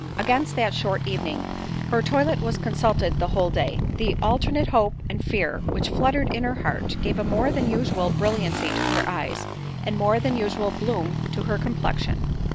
Against that short evening her toilet was consulted the whole day: the alternate hope and fear which fluttered in her heart, gave a more than usual brilliancy to her eyes, and more than usual bloom to her complection.